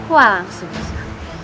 wah langsung saja